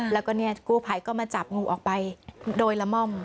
แล้วก็กู้ไผลก็มาจับงูออกไปโดยละม่อม